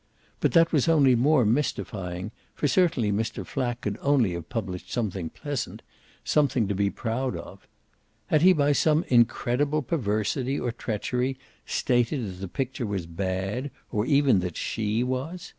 But that was only more mystifying, for certainly Mr. Flack could only have published something pleasant something to be proud of. Had he by some incredible perversity or treachery stated that the picture was bad, or even that SHE was?